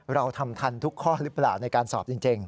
เราทำทันทุกข้อหรือเปล่าในการสอบจริง